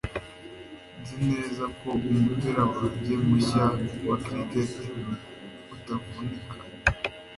Nzi neza ko umupira wanjye mushya wa cricket utavunika